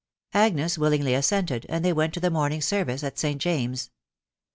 Agnes willingly assented, and thej west to the morning service at St. James's.